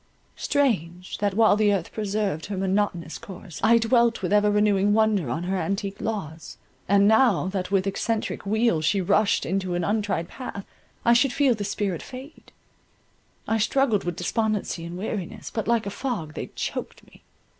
Strange, that while the earth preserved her monotonous course, I dwelt with ever renewing wonder on her antique laws, and now that with excentric wheel she rushed into an untried path, I should feel this spirit fade; I struggled with despondency and weariness, but like a fog, they choked me.